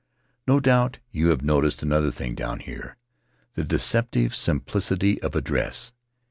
No doubt you have noticed another thing down here — the deceptive simplicity of address.